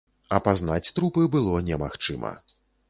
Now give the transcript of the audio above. Апазнаць трупы было немагчыма.